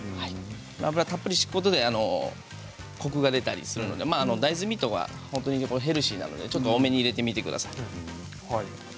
油をたっぷり引くことでコクが出たりするので大豆ミートがヘルシーなのでちょっと多めに入れてみてください。